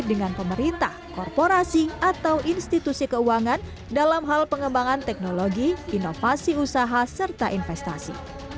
dengan pemerintah korporasi atau institusi keuangan dalam hal pengembangan teknologi inovasi usaha serta investasi